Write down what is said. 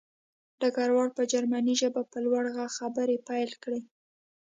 ډګروال په جرمني ژبه په لوړ غږ خبرې پیل کړې